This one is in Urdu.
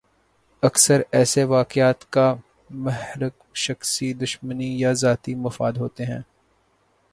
اکثر ایسے واقعات کا محرک شخصی دشمنی یا ذاتی مفاد ہوتا ہے۔